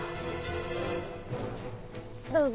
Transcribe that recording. どうぞ。